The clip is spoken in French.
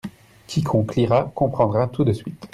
Quiconque lira comprendra tout de suite.